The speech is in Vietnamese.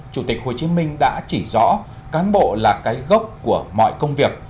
chủ tịch hồ chí minh đã chỉ rõ cán bộ là cái gốc của mọi công việc